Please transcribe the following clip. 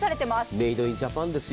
メイド・イン・ジャパンですよ。